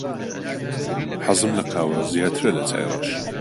حەزم لە قاوە زیاترە لە چای ڕەش.